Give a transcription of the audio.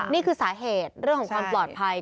นี่คือสาเหตุเรื่องของความปลอดภัย